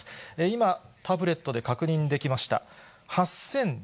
今、タブレットで確認できました。